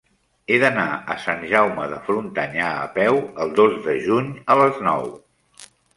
He d'anar a Sant Jaume de Frontanyà a peu el dos de juny a les nou.